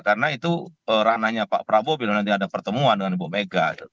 karena itu ranahnya pak prabowo bila nanti ada pertemuan dengan ibu mega